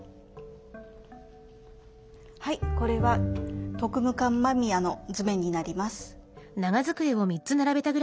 これは特務艦間宮の図面になります。